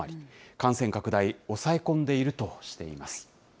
感染拡大抑え込んでいるとしています。